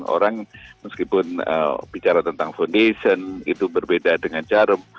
orang meskipun bicara tentang foundation itu berbeda dengan jarum